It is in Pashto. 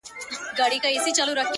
بيا به يې خپه اشـــــــــــــنا;